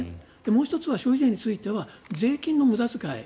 もう１つは消費税については税金の無駄遣い